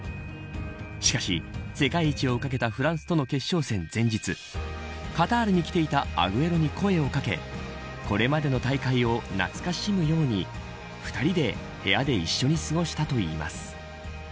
しかし世界一を懸けたフランスとの決勝戦前日カタールに来ていたアグエロに声を掛けこれまでの大会を懐かしむように２人で部屋で一緒に過ごしたといいます。